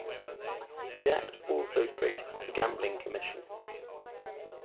The Act also created the Gambling Commission.